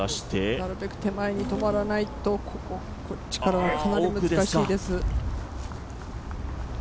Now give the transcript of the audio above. なるべく手前に止まらないとかなり難しいです。